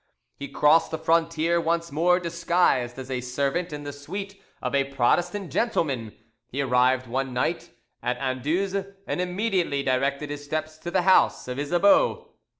He crossed the frontier once more, disguised as a servant, in the suite of a Protestant gentleman; he arrived one night at Anduze, and immediately directed his steps to the house of Isabeau.